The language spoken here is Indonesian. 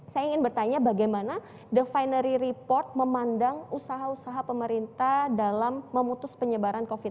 saya ingin bertanya bagaimana the finary report memandang usaha usaha pemerintah dalam memutus penyebaran covid sembilan belas